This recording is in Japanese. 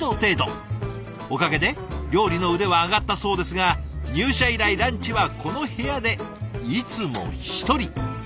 おかげで料理の腕は上がったそうですが入社以来ランチはこの部屋でいつも一人。